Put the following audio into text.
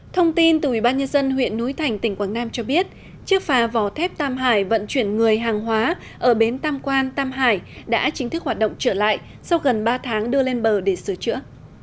thông tin từ ubnd huyện núi thành tỉnh quảng nam cho biết chiếc phà vỏ thép tam hải vận chuyển người hàng hóa ở bến tam quan tam hải đã chính thức hoạt động trở lại sau gần ba tháng đưa lên bờ để sửa chữa